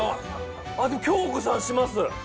でも京子さん「します」。